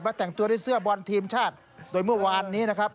แต่งตัวด้วยเสื้อบอลทีมชาติโดยเมื่อวานนี้นะครับ